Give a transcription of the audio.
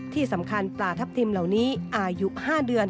ที่สำคัญปลาทับทิมเหล่านี้อายุ๕เดือน